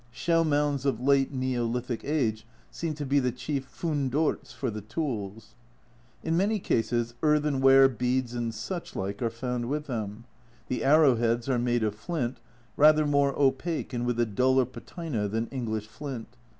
Shell mounds of late Neolithic age seem to be the chief fundorts for the tools. In many cases earthen ware, beads, and such like are found with them. The arrowheads are made of flint, rather more opaque and with a duller patina than English flint.